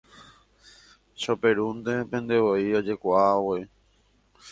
Choperupentevoi ojekuaáva.